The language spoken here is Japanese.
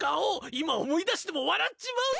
今思い出しても笑っちまうぜ。